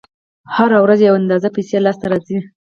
هره ورځ یوه اندازه پیسې لاس ته راځي